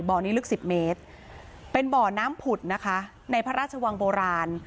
นี้ลึกสิบเมตรเป็นบ่อน้ำผุดนะคะในพระราชวังโบราณ